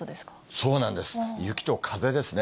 そうなんです、雪と風ですね。